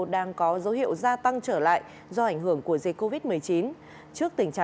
đang có dấu hiệu gia tăng trở lại do ảnh hưởng của dịch covid một mươi chín